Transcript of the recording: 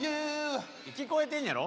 聞こえてんねやろ？